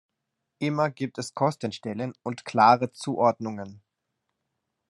Immer gibt es Kostenstellen und klare Zuordnungen.